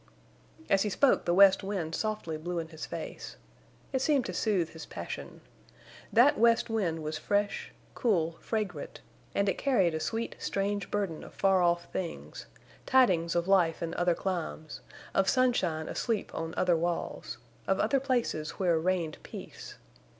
As he spoke the west wind softly blew in his face. It seemed to soothe his passion. That west wind was fresh, cool, fragrant, and it carried a sweet, strange burden of far off things—tidings of life in other climes, of sunshine asleep on other walls—of other places where reigned peace.